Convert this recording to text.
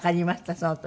その時。